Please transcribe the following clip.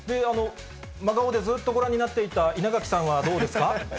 真顔でずっとご覧になっていた稲垣さんはどうですか。